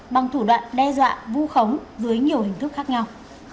bằng thủ đoạn đe dọa vu khống dưới nhiều hình thức khác nhau